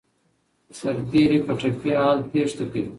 سرتیري په ټپي حالت تېښته کوي.